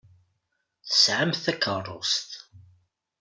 Tesɛamt takeṛṛust.